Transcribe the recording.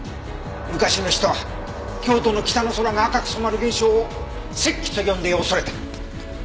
昔の人は京都の北の空が赤く染まる現象を赤気と呼んで恐れた。